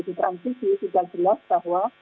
di transisi sudah jelas bahwa